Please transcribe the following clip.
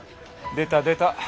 出た出た。